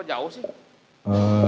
berapa jauh sih